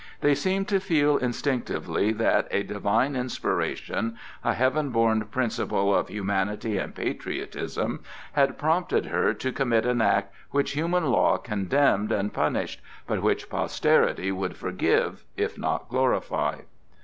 They seemed to feel instinctively that a divine inspiration, a heaven born principle of humanity and patriotism, had prompted her to commit an act which human law condemned and punished, but which posterity would forgive, if not glorify.